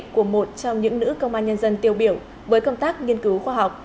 của một trong những nữ công an nhân dân tiêu biểu với công tác nghiên cứu khoa học